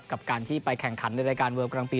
แล้วกับการที่ไปแข่งขันในรายการเวิร์ดพรณ์กำลังปี